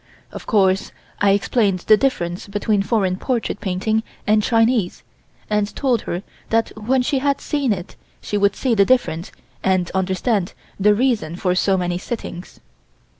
Of course I explained the difference between foreign portrait painting and Chinese, and told her that when she had seen it she would see the difference and understand the reason for so many sittings.